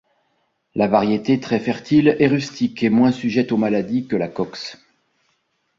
La variété, très fertile, est rustique et moins sujette aux maladies que la Cox.